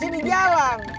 saya masih di jalan